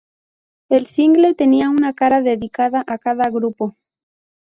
El single tenía una cara dedicada a cada grupo.